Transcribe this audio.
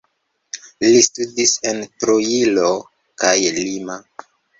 Li studis en Trujillo kaj Lima.